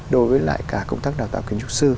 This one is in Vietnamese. đối với lại cả công tác đào tạo kiến trúc sư